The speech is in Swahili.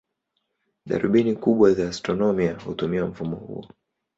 Darubini kubwa za astronomia hutumia mfumo huo.